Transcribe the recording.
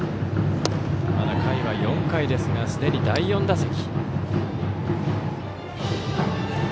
まだ回は４回ですがすでに第４打席。